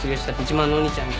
自慢のお兄ちゃん。